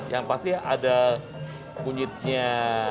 yang pasti ada kunyitnya